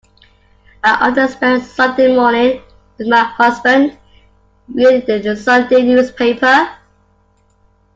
I often spend Sunday morning with my husband, reading the Sunday newspaper